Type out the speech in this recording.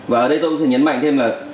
và ở đây tôi nhấn mạnh thêm là